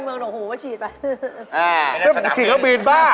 ไม่ได้สนับบินซิซีเขาบินบ้า